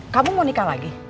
kamu mau nikah lagi